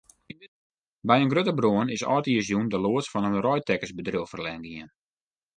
By in grutte brân is âldjiersjûn de loads fan in reidtekkersbedriuw ferlern gien.